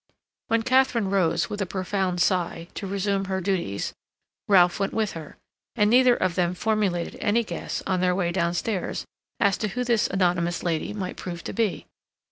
When Katharine rose, with a profound sigh, to resume her duties, Ralph went with her, and neither of them formulated any guess, on their way downstairs, as to who this anonymous lady might prove to be.